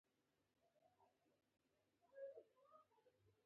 آیا د توکو لیږد اسانه نشو؟